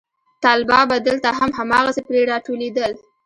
طلبا به دلته هم هماغسې پرې راټولېدل.